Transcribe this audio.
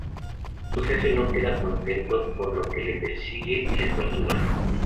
Su jefe no queda contento, por lo que le persigue y le tortura.